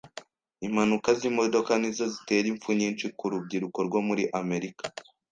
Impanuka z’imodoka nizo zitera impfu nyinshi ku rubyiruko rwo muri Amerika.